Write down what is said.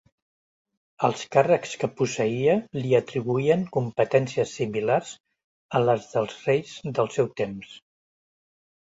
Els càrrecs que posseïa li atribuïen competències similars a les dels reis del seu temps.